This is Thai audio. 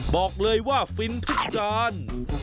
บอกเลยว่าฟินทุกจาน